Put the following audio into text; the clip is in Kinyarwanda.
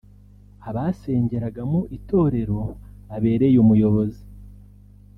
Abasengeraga mu itorero abereye umuyobozi